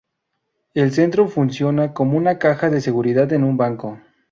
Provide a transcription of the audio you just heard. El centro funciona como una caja de seguridad en un banco.